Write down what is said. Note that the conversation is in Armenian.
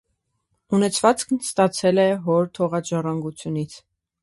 Ունեցվածքն ստացել էր հոր թողած ժառանգությունից։